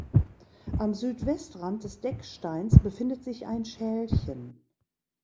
Am Südwestrand des Decksteins befindet sich ein Schälchen.